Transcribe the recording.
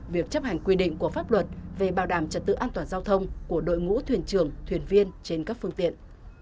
việc chấp hành quy định của pháp luật về bảo đảm trật tự an toàn giao thông của đội ngũ thuyền trường thuyền viên trên các phương tiện